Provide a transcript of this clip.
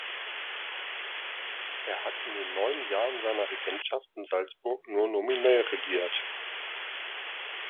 Er hat in den neun Jahren seiner Regentschaft in Salzburg nur nominell regiert.